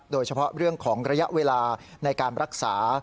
โดยเฉพาะเรื่องของระยะเวลาในการรักษา